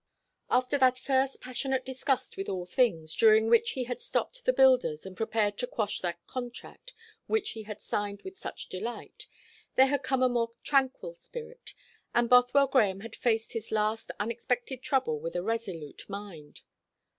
After that first passionate disgust with all things, during which he had stopped the builders, and prepared to quash that contract which he had signed with such delight, there had come a more tranquil spirit; and Bothwell Grahame had faced his last unexpected trouble with a resolute mind.